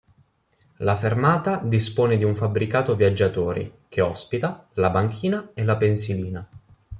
La fermata dispone di un fabbricato viaggiatori, che ospita, la banchina e la pensilina.